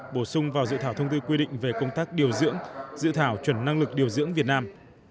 bổ sung vào dự thảo thông tư quy định về công tác điều dưỡng dự thảo chuẩn năng lực điều dưỡng việt nam